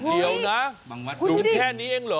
เดี๋ยวนะดูแค่นี้เองเหรอ